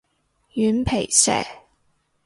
軟皮蛇